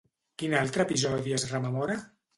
Quin altre episodi es rememora?